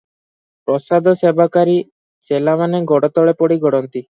ପ୍ରସାଦସେବାକାରୀ ଚେଲାମାନେ ଗୋଡ଼ତଳେ ପଡ଼ି ଗଡ଼ନ୍ତି ।